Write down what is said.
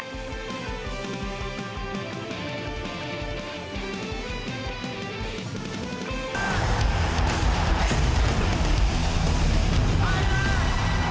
โทรทฯรห้าม